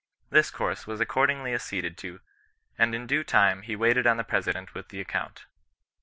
This course was accord ingly acceded to, and in due time he waited on the Pre sident with the account.